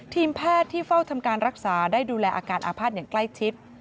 ทีมแพทย์ที่เฝ้าทำการรักษาได้ดูแลอาการอาภาษณ์อย่างใกล้ชิด